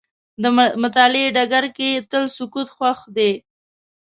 د مطالعې ډګر کې تل سکوت خوښ دی.